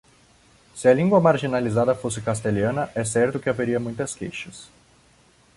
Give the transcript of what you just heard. Se a língua marginalizada fosse castelhana, é certo que haveria muitas queixas.